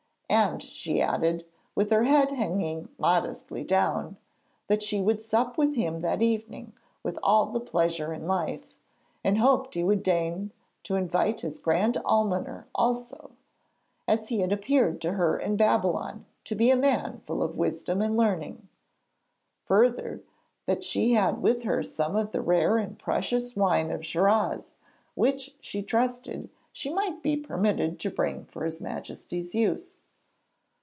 And she added, with her head hanging modestly down, that she would sup with him that evening with all the pleasure in life, and hoped he would deign to invite his Grand Almoner also, as he had appeared to her in Babylon to be a man full of wisdom and learning. Further, that she had with her some of the rare and precious wine of Shiraz which, she trusted, she might be permitted to bring for his Majesty's use.